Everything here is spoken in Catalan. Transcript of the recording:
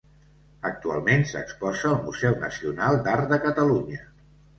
Actualment s'exposa al Museu Nacional d'Art de Catalunya.